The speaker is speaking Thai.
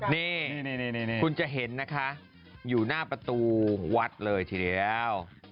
นี่คุณจะเห็นนะคะอยู่หน้าประตูวัดเลยทีเดียว